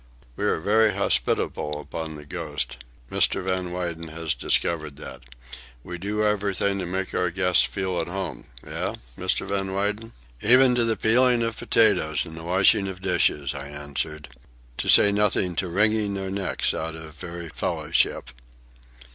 "We are very hospitable upon the Ghost. Mr. Van Weyden has discovered that. We do everything to make our guests feel at home, eh, Mr. Van Weyden?" "Even to the peeling of potatoes and the washing of dishes," I answered, "to say nothing to wringing their necks out of very fellowship."